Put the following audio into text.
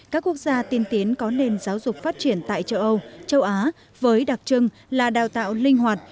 các quốc gia tiên tiến có nền giáo dục phát triển tại châu âu châu á với đặc trưng là đào tạo linh hoạt